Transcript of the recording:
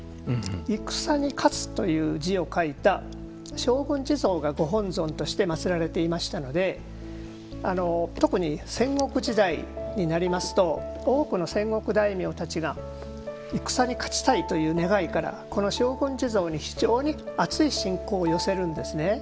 戦に勝つという字を書いた勝軍地蔵がご本尊として祭られていましたので特に戦国時代になりますと多くの戦国大名たちが戦に勝ちたいという願いからこの勝軍地蔵に非常にあつい信仰を寄せるんですね。